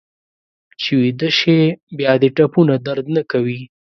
چې ویده شې بیا دې ټپونه درد نه کوي.